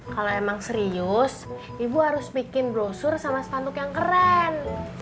kalau emang serius ibu harus bikin brosur sama sepanduk yang keren